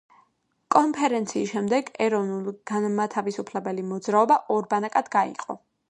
კონფერენციის შემდეგ ეროვნულ-განმათავისუფლებელი მოძრაობა ორ ბანაკად გაიყო.